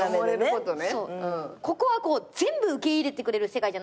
ここは全部受け入れてくれる世界じゃないですか。